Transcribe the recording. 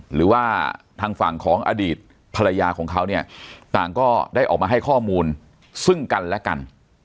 หรือว่าทางฝั่งของอดีตภรรยาของเขาเนี่ยต่างก็ได้ออกมาให้ข้อมูลซึ่งกันและกัน